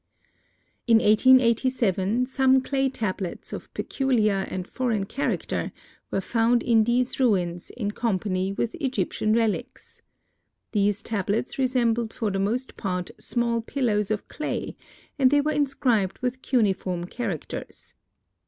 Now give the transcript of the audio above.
In 1887 some clay tablets of peculiar and foreign character were found in these ruins in company with Egyptian relics. These tablets resembled for the most part small pillows of clay and they were inscribed with cuneiform characters.